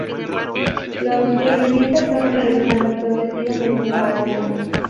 Los supervivientes fueron regresando progresivamente a Alemania.